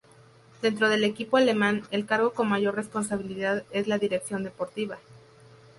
Dentro del equipo alemán, el cargo con mayor responsabilidad es la dirección deportiva.